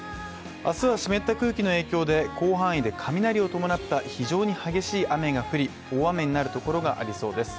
明日は湿った空気の影響で広範囲で雷を伴った非常に激しい雨が降り大雨になるところがありそうです。